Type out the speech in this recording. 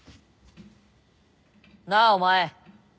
なあお前